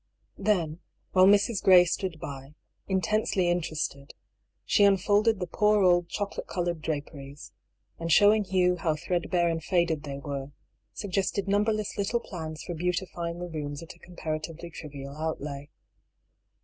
Then, while Mrs. Gray stood by, intensely interested, she unfolded the poor old chocolate coloured draperies, and showing Hugh how threadbare and faded they were, suggested numberless little plans for beautifying the rooms at a comparatively trivial outlay.